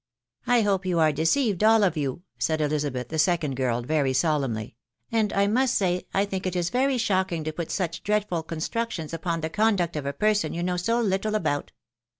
I hope you are deceived, all of you/' said Elisabeth, the second girl, very solemnly; "and I must say I think it is very shocking to put such (haadful oonetructien* *foj| the conduct of a person you know so little about."